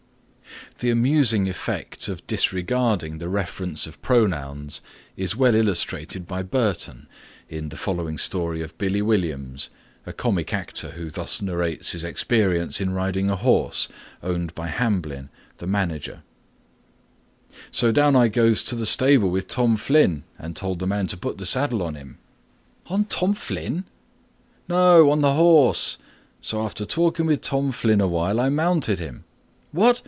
The amusing effect of disregarding the reference of pronouns is well illustrated by Burton in the following story of Billy Williams, a comic actor who thus narrates his experience in riding a horse owned by Hamblin, the manager: "So down I goes to the stable with Tom Flynn, and told the man to put the saddle on him." "On Tom Flynn?" "No, on the horse. So after talking with Tom Flynn awhile I mounted him." "What!